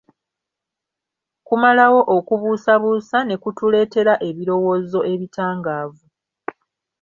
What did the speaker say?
Kumalawo okubuusabuusa ne kutuleetera ebirowoozo ebitangaavu.